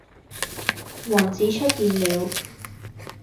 王子出現了